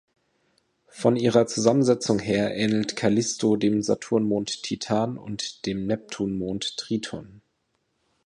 Von ihrer Zusammensetzung her ähnelt Kallisto dem Saturnmond Titan und dem Neptunmond Triton.